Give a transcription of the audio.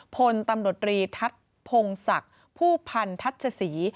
พลตำรวจรีทัศน์พงศักดิ์ผู้พันทัชศรี